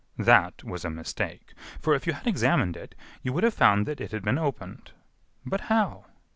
"That was a mistake; for, if you had examined it, you would have found that it had been opened." "But how?"